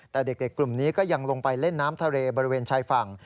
แต่เด็กกลุ่มนี้ก็ยังลงไปเล่นน้ำทะเลบริเวณชายฝั่ง